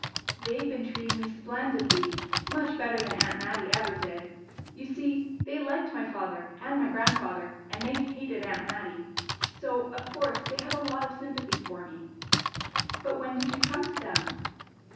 "They've been treating me splendidly! Much better than Aunt Mattie ever did. You see, they liked my father and my grandfather, and they hated Aunt Mattie. So of course they have a lot of sympathy for me." "But when did you come to them?"